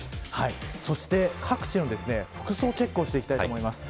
そして各地の服装チェックをしていきたいと思います。